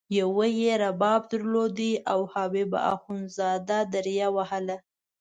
یوه یې رباب درلود او حبیب اخندزاده دریا وهله.